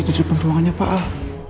di depan ruangannya pak al